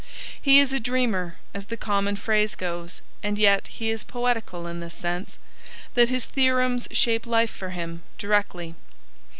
He is a dreamer, as the common phrase goes, and yet he is poetical in this sense, that his theorems shape life for him, directly.